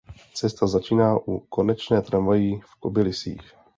Cesta začíná u konečné tramvají v Kobylisích.